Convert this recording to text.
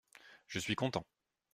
Je suis content.